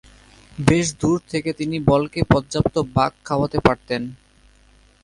বেশ দূর থেকে তিনি বলকে পর্যাপ্ত বাঁক খাওয়াতে পারতেন।